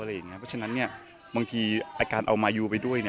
เพราะฉะนั้นบางทีการเอามายูไปด้วย